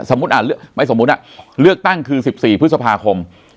ไม่สมมุติเลือกตั้งคือ๑๔พฤษภาคม